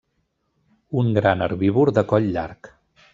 Un gran herbívor de coll llarg.